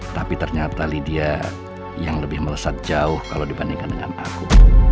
tapi ternyata lydia yang lebih melesat jauh kalau dibandingkan dengan aku